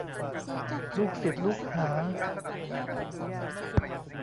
ลูกศิษย์ลูกหา